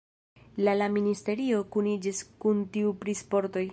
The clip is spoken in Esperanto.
La la ministerio kuniĝis kun tiu pri sportoj.